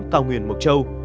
cao nguyên mục châu